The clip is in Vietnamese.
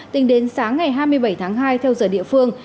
tính đến sáng ngày hai mươi bảy tháng hai theo giờ địa phương